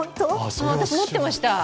私、持ってました。